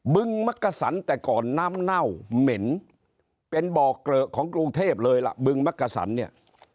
ึงมักกะสันแต่ก่อนน้ำเน่าเหม็นเป็นบ่อเกลอะของกรุงเทพเลยล่ะบึงมักกะสันเนี่ย